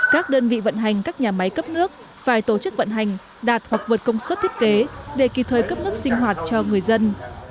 các đơn vị vận hành các nhà máy cấp nước phải tổ chức vận hành đạt hoặc vượt công suất thiết kế để kịp thời cấp nước sinh hoạt cho người dân